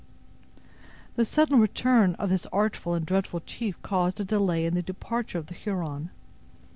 The sudden return of this artful and dreaded chief caused a delay in the departure of the Huron.